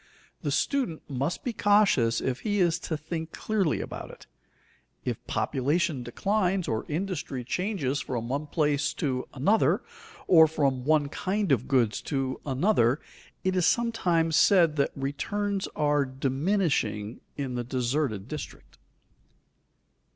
The student must be cautious if he is to think clearly about it. If population declines, or industry changes from one place to another, or from one kind of goods to another, it is sometimes said that returns are diminishing in the deserted district.